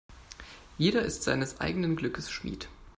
Jeder ist seines eigenen Glückes Schmied.